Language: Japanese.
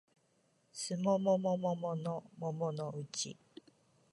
すもももももものもものうち